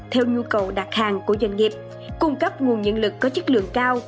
theo nhu cầu đặt hàng của doanh nghiệp cung cấp nguồn nhân lực có chất lượng cao